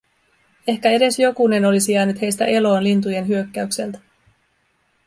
Ehkä edes jokunen olisi jäänyt heistä eloon lintujen hyökkäykseltä.